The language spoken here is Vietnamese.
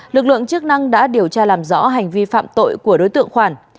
lực lượng chức năng đã điều tra làm rõ hành vi phạm tội của đối tượng khoản